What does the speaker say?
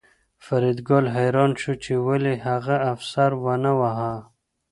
فریدګل حیران شو چې ولې هغه افسر ونه واهه